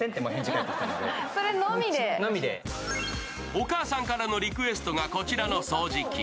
お母さんからのリクエストがこちらの掃除機。